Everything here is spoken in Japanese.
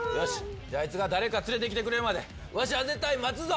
あいつが誰か連れてきてくれるまでわしは絶対待つぞ。